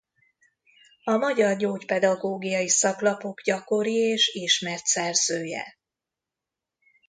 A magyar gyógypedagógiai szaklapok gyakori és ismert szerzője.